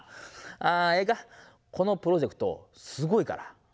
ええか、このプロジェクトすごいから。